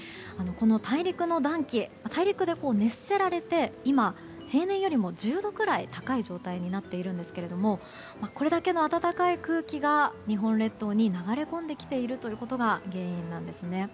大陸の暖気、大陸で熱せられて今、平年よりも１０度くらい高い状態になっているんですがこれだけの暖かい空気が日本列島に流れ込んできていることが原因なんですね。